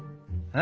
え？